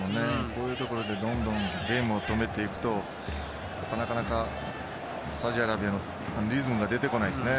こういうところでどんどんゲームを止めていくとなかなかサウジアラビアのリズムが出てこないですね。